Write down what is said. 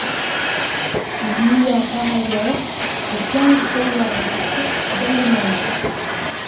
Il n'y a par ailleurs que quinze howardites dans le monde.